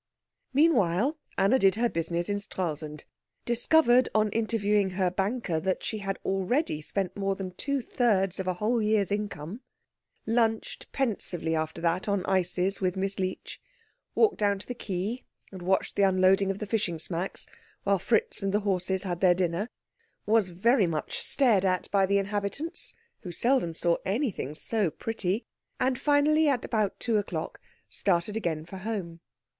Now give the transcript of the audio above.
Meanwhile Anna did her business in Stralsund, discovered on interviewing her banker that she had already spent more than two thirds of a whole year's income, lunched pensively after that on ices with Miss Leech, walked down to the quay and watched the unloading of the fishing smacks while Fritz and the horses had their dinner, was very much stared at by the inhabitants, who seldom saw anything so pretty, and finally, about two o'clock, started again for home.